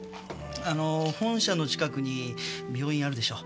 本社の近くに病院あるでしょ。